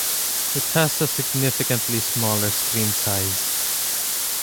It has a significantly smaller screen size.